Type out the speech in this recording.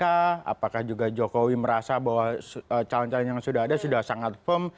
apakah juga jokowi merasa bahwa calon calon yang sudah ada sudah sangat firm